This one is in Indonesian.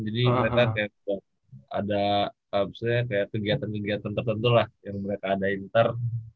jadi mereka kayak ada misalnya kegiatan kegiatan tertentu lah yang mereka ada inter